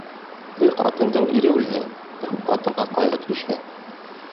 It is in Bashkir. Бер ҡатындың ире үлһә, ҡырҡ ҡатынға ҡайғы төшә.